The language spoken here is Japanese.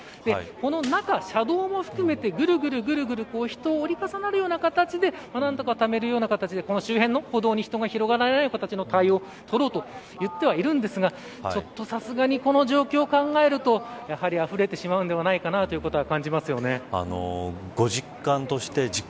この中、車道も含めてぐるぐる人が折り重なるような形で何とかためるような形で周辺の歩道に人が広がらないような形の対応をとろうとは言ってるんですがちょっと、さすがにこの状況を考えるとやはりあふれてしまうんでは実感として